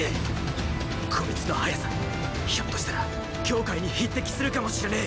こいつの速さひょっとしたら羌に匹敵するかもしれねェ！！